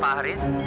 maaf pak haris